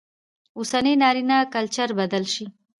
اوسنى نارينه کلچر بدل شي